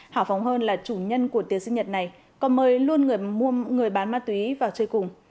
hảo phóng hơn là chủ nhân của tiền sinh nhật này còn mời luôn người bán ma túy vào chơi cùng